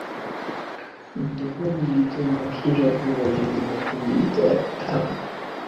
দুঁহু মিলত নহীঁ রব রজনী নহীঁ মিলত একঠাম।